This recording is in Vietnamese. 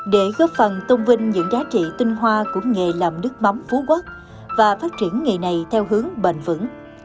để góp phần tôn vinh những giá trị tinh hoa của nghề làm nước mắm phú quốc và phát triển nghề này theo hướng bền vững